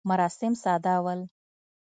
مراسم ساده ول.